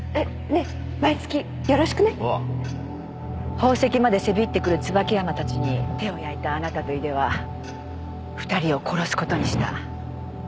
宝石までせびってくる椿山たちに手を焼いたあなたと井出は２人を殺す事にした。